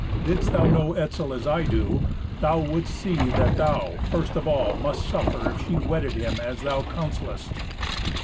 Didst thou know Etzel as I do, thou wouldst see that thou, first of all, must suffer if she wedded him as thou counsellest."